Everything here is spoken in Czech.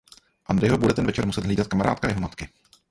Andyho bude ten večer muset hlídat kamarádka jeho matky.